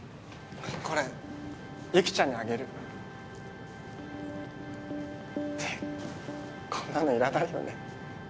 これ雪ちゃんにあげる。ってこんなのいらないよね。